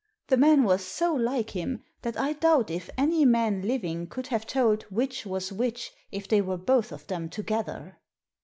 The man was so like him that I doubt if any man living could have told which was which if they were both of them together."